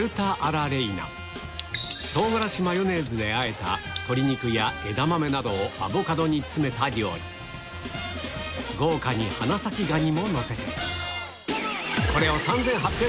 唐辛子マヨネーズであえた鶏肉や枝豆などをアボカドに詰めた料理豪華に花咲ガニものせて果たして？